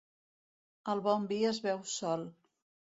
El bon vi es beu sol.